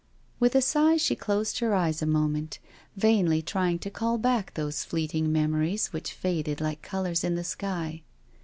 *' With a sigh she closed her eyes a moment, vainly trying to call back those fleeting memories which faded like colours in the sky.